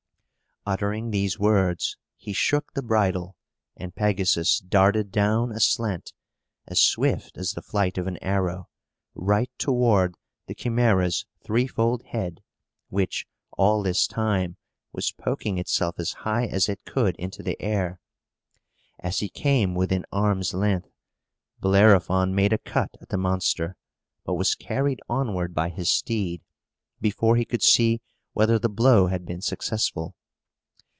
Uttering these words, he shook the bridle; and Pegasus darted down aslant, as swift as the flight of an arrow, right toward the Chimæra's threefold head, which, all this time, was poking itself as high as it could into the air. As he came within arm's length, Bellerophon made a cut at the monster, but was carried onward by his steed, before he could see whether the blow had been successful.